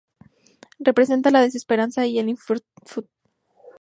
Representa la desesperanza y el infortunio.